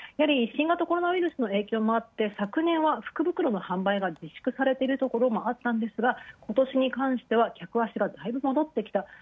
新型コロナウイルスの影響もあり昨年は福袋の販売が自粛されているところもあったが今年に関しては客足がだいぶもどってきた。